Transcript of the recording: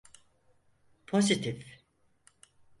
Pozitif.